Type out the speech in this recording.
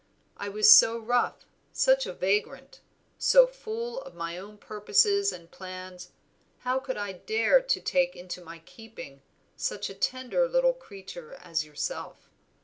I was so rough, such a vagrant, so full of my own purposes and plans, how could I dare to take into my keeping such a tender little creature as yourself?